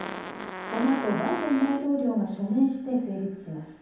このあとバイデン大統領が署名して成立します。